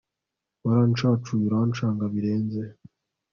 warancacuye urancanga birenze